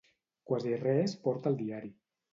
Quasi res porta el diari.